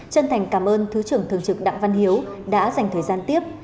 chân thành cảm ơn thứ trưởng thường trực đặng văn hiếu đã dành thời gian tiếp